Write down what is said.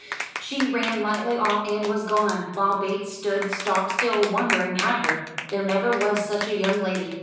She ran lightly off and was gone, while Bates stood stock still wondering at her. There never was such a young lady.